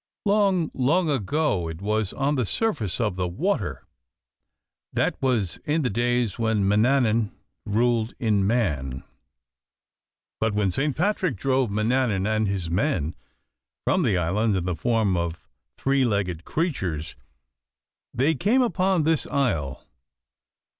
Long, long ago it was on the surface of the water that was in the days when Manannan ruled in Mann but when Saint Patrick drove Manannan and his men from the island in the form of three legged creatures, they came upon this isle.